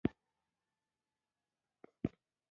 کېله د پوستکي رنګ ښه کوي.